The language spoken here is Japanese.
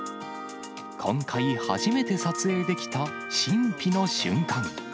今回初めて撮影できた神秘の瞬間。